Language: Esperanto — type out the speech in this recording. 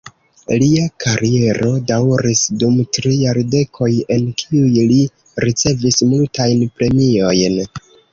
Lia kariero daŭris dum tri jardekoj, en kiuj li ricevis multajn premiojn.